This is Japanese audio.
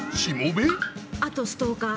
あとストーカー。